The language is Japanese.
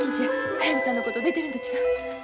速水さんのこと出てるんと違う？